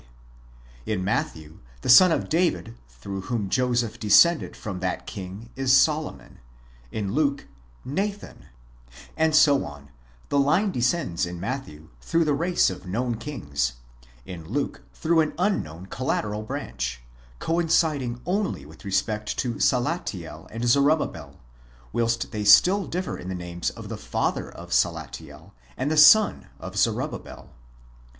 In Matthew, the son of David through whom Joseph descended from that king is Solomon ; in Luke, Nathan: and so on, the line descends, in Mat thew, through the race of known kings; in Luke, through an unknown collateral branch, coinciding only with respect to Salathiel and Zorobabel, whilst they still differ in the names of the father of Salathiel and the son of Zorobabel.